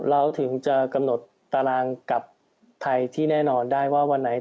เราถึงจะกำหนดตารางกับไทยที่แน่นอนได้ว่าวันไหน